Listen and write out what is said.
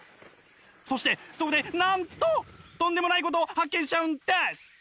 そしてそこでなんととんでもないことを発見しちゃうんです！